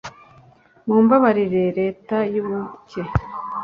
mumbabarire leta y'ubuke